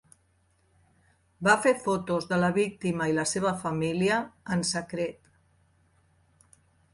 Va fer fotos de la víctima i la seva família en secret.